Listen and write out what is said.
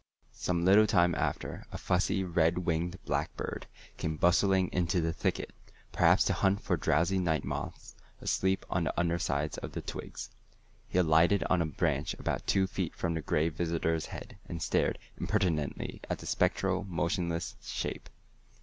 Some little time after, a fussy red winged blackbird came bustling into the thicket, perhaps to hunt for drowsy night moths asleep on the under sides of the twigs. He alighted on a branch about two feet from the Gray Visitor's head, and stared impertinently at the spectral, motionless shape.